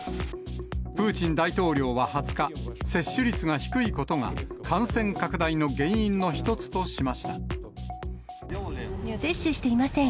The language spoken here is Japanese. プーチン大統領は２０日、接種率が低いことが、感染拡大の原因の接種していません。